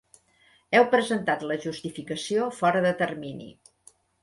Heu presentat la justificació fora de termini.